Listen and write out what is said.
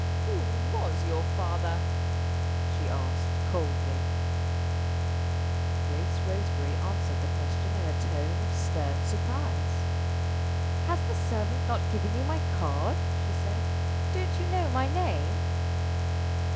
"Who was your father?" she asked, coldly. Grace Roseberry answered the question in a tone of stern surprise. "Has the servant not given you my card?" she said. "Don't you know my name?"